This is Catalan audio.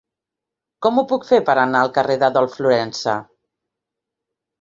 Com ho puc fer per anar al carrer d'Adolf Florensa?